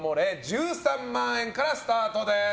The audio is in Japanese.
１３万円からスタートです。